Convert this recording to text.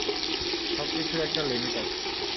সবকিছুর একটা লিমিট আছে।